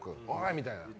みたいな。